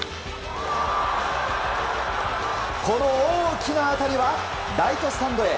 この大きな辺りはライトスタンドへ。